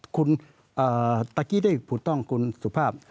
คุณตะกี้ได้ผุดต้องคุณสุภาพ